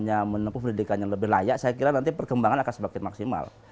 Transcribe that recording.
hanya menempuh pendidikan yang lebih layak saya kira nanti perkembangan akan semakin maksimal